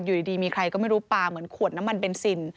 อยู่ดีมีใครก็ไม่รู้ปลาเหมือนขวดน้ำมันเบนซิน